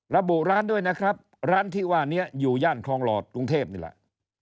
ระบุร้านด้วยนะครับร้านที่ว่านี้อยู่ย่านคลองหลอดกรุงเทพนี่แหละ